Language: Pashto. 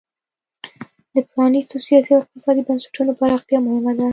د پرانیستو سیاسي او اقتصادي بنسټونو پراختیا مهمه ده.